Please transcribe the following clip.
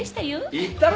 言ったろ？